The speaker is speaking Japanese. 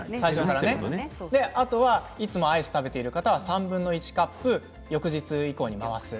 あとはいつもアイスを食べている人は３分の１を翌日以降に回す。